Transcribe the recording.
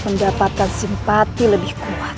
mendapatkan simpati lebih kuat